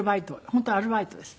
本当アルバイトです。